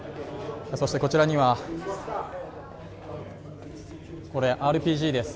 そしてこちらにはこれＲＰＧです